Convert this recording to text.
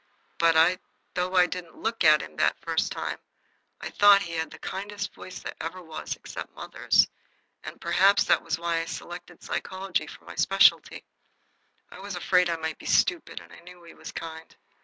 But though I didn't look at him that first time, I thought he had the kindest voice that ever was except mother's and perhaps that was why I selected psychology for my specialty. I was afraid I might be stupid, and I knew he was kind.